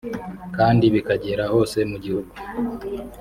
kandi bikagera hose mu gihugu